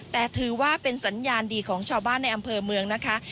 แต่ถือว่าเป็นสัญญาณดีของชาวบ้านในอำเภอเมืองนะคะ